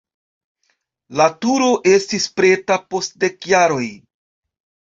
La turo estis preta post dek jaroj.